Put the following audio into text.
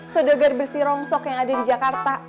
sedegar bersih rongsok yang ada di jakarta